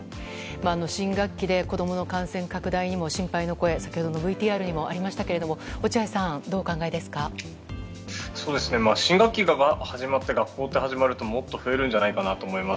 新学期で子供の感染拡大にも心配の声先ほどのＶＴＲにもありましたけど落合さん新学期が始まって学校が始まるともっと増えるんじゃないかと思います。